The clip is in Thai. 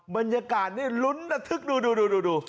บรรยากาศนี่ลุ้นดู